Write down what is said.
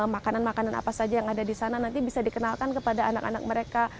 makanan makanan apa saja yang ada di sana nanti bisa dikenalkan kepada anak anak mereka